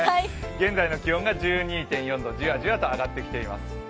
現在の気温が１２．４度、じわじわと上がってきています。